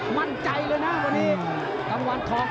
มั่นใจเลยนะครับ